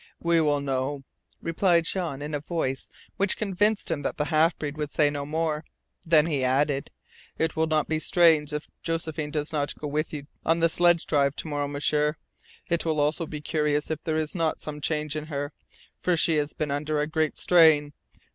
"We will know," replied Jean in a voice which convinced him that the half breed would say no more. Then he added: "It will not be strange if Josephine does not go with you on the sledge drive to morrow, M'sieur. It will also be curious if there is not some change in her, for she has been under a great strain.